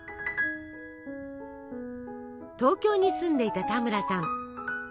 東京に住んでいた田村さん。